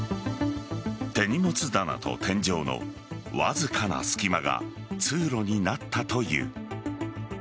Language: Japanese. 手荷物棚と天井のわずかな隙間が通路になったという。